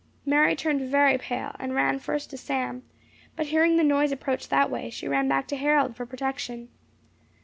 Mary turned very pale, and ran first to Sam, but hearing the noise approach that way, she ran back to Harold for protection.